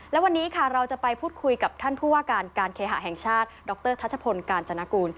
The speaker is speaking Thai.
และวันนี้ค่ะเราจะไปพูดคุยกับท่านผู้ว่าการการเคหะแห่งชาติดรทัชพลกาญจนกูล